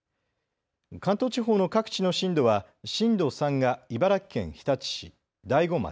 関東地方の各地の震度は震度３が茨城県日立市、大子町。